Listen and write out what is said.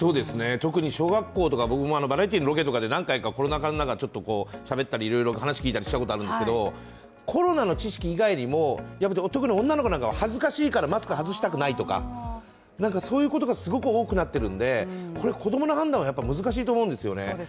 特に小学校とか僕もバラエティーのロケとかで何回かコロナ禍の中、しゃべったり話聞いたりしたことがあるんですけどコロナの知識以外にも、特に女の子なんかは恥ずかしいからマスク外したくないとかそういうことがすごく多くなってるんでこれ子供の判断はすごく難しいと思うんですよね。